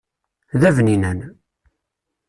D abninan.